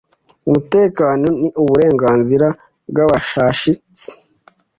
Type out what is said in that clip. umutekano ni uburenganzira bw abashashatsi